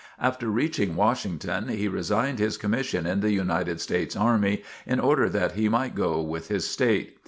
After reaching Washington, he resigned his commission in the United States army in order that he might go with his state.